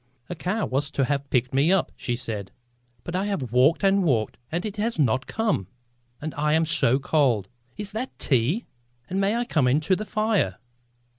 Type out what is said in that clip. "A car was to have picked me up," she said, "but I have walked and walked and it has not come. And I am so cold. Is that tea? And may I come to the fire?"